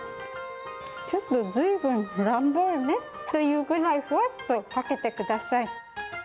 ちょっとずいぶん乱暴ねというくらいふわっとかけてください。